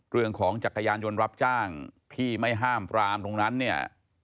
เรื่องของจักรยานยนต์รับจ้างที่ไม่ฮ่ามพรามตรงนั้นเนี่ย